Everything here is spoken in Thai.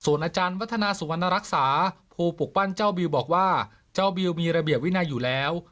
อาจารย์วัฒนาสุวรรณรักษาผู้ปลูกปั้นเจ้าบิวบอกว่าเจ้าบิวมีระเบียบวินัยอยู่แล้ว